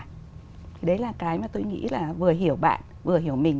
thế đấy là cái mà tôi nghĩ là vừa hiểu bạn vừa hiểu mình